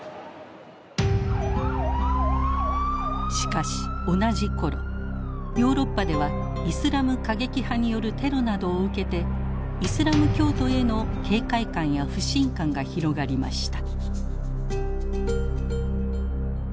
しかし同じ頃ヨーロッパではイスラム過激派によるテロなどを受けてイスラム教徒への警戒感や不信感が広がりました。